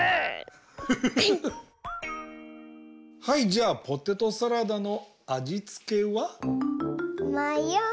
はいじゃあポテトサラダのあじつけは？